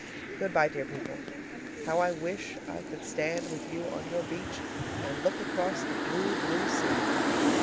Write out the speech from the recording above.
Good by, dear people. How I wish I could stand with you on your beach and look across the blue, blue sea!